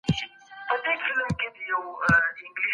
ايا دا ټولنه پرمختللې ده؟